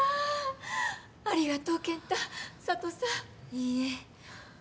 いいえ。